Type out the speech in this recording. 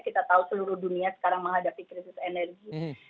kita tahu seluruh dunia sekarang menghadapi krisis energi